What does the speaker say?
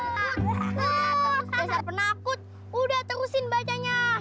hahaha bisa penakut udah terusin bacanya